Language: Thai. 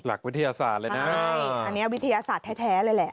อันนี้วิทยาศาสตร์แท้เลยแหละ